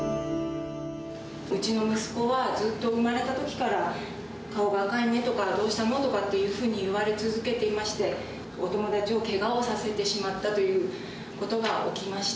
うちの息子はずっと生まれたときから、顔が赤いねとか、どうしたのとかっていうふうに言われ続けていまして、お友達をけがをさせてしまったということが起きました。